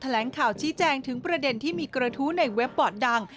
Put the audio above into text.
แหลงข่าวชี้แจงถึงประเด็นที่มีกระทู้ในเว็บบอร์ดดัง